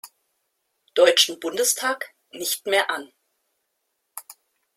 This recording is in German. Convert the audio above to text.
Deutschen Bundestag nicht mehr an.